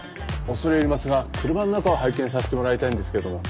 恐れ入りますが車の中を拝見させてもらいたいんですけども。